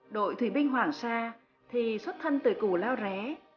đội thủy binh hoàng sa thì xuất thân từ củ lao ré